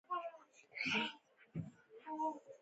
له ځانوژنې پرته لاره پیدا نه کړي